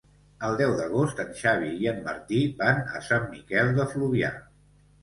El deu d'agost en Xavi i en Martí van a Sant Miquel de Fluvià.